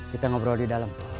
kita ngobrol di dalam